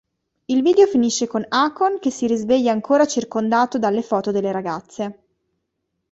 Il video finisce con Akon che si risveglia ancora circondato dalle foto delle ragazze.